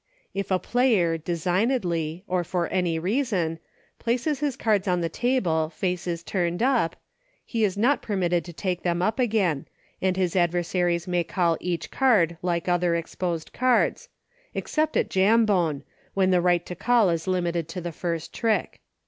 If a player, designedly, or for any reason, places his cards on the table, faces turned up, he is not permitted to take them up again, and his adversaries may call each card like other exposed cards, — except at Jambone, when the right to call is limited to the first trick.